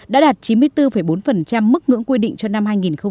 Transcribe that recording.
đã đạt chín mươi bốn bốn mức ngưỡng quy định cho năm hai nghìn hai mươi